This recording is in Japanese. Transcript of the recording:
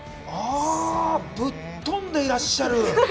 ぶっ飛んでいらっしゃる！